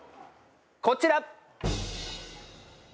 こちら！